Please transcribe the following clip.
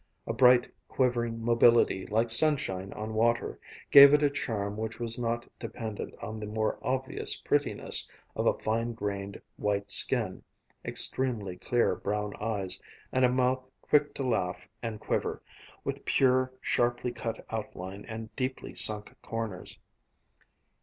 A bright, quivering mobility like sunshine on water, gave it a charm which was not dependent on the more obvious prettinesses of a fine grained, white skin, extremely clear brown eyes, and a mouth quick to laugh and quiver, with pure, sharply cut outline and deeply sunk corners.